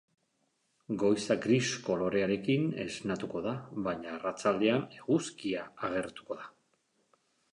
Goiza gris kolorearekin esnatuko da, baina arratsaldean eguzkia agertuko da.